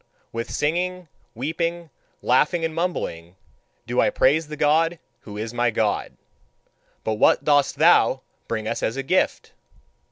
With singing, weeping, laughing, and mumbling do I praise the God who is my God. But what dost thou bring us as a gift?"